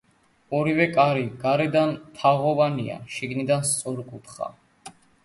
ორივე კარი გარედან თაღოვანია, შიგნიდან სწორკუთხა.